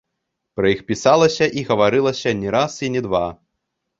Пра іх пісалася і гаварылася не раз і не два.